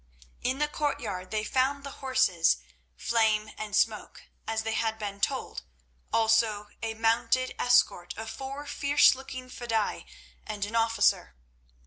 In the courtyard they found the horses, Flame and Smoke, as they had been told, also a mounted escort of four fierce looking fedaïs and an officer.